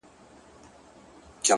پيکه ښکارم نړۍ ته ستا و ساه ته درېږم!